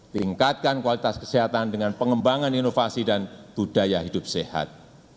tingkatkan kualitas kesehatan dengan pengembangan inovasi dan budaya hidup sehat